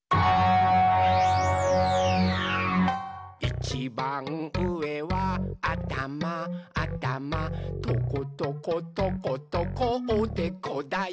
「いちばんうえはあたまあたまトコトコトコトコおでこだよ！」